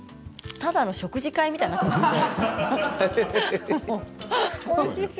ただの食事会みたいになっていますよ。